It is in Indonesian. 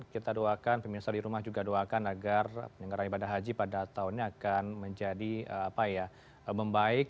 kita doakan pemirsa di rumah juga doakan agar penyelenggaraan ibadah haji pada tahun ini akan menjadi membaik